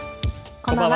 こんばんは。